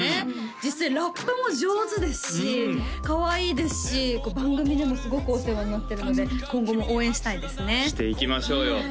実際ラップも上手ですしかわいいですし番組でもすごくお世話になってるので今後も応援したいですねしていきましょうよ